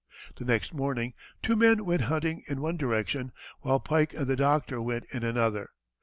The next morning two men went hunting in one direction, while Pike and the doctor went in another.